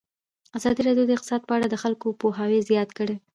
ازادي راډیو د اقتصاد په اړه د خلکو پوهاوی زیات کړی.